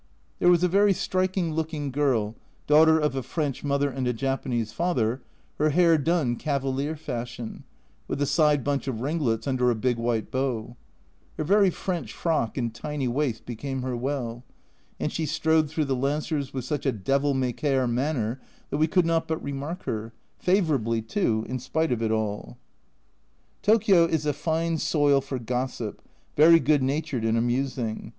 There was a very striking looking girl, daughter of a French mother and a Japanese father, her hair done cavalier fashion, with a side bunch of ringlets under a big white bow ; her very French frock and tiny waist became her well, and she strode through the Lancers with such a devil may care manner that we could not but remark her favourably too in spite of it all. Tokio is a fine soil for gossip, very good natured and amusing.